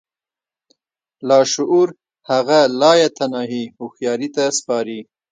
لاشعور هغه لايتناهي هوښياري ته سپاري.